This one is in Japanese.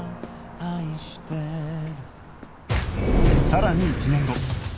さらに１年後